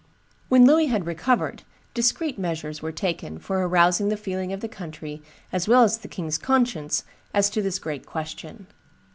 ] When Louis had recovered, discreet measures were taken for arousing the feeling of the country as well as the king's conscience as to this great question.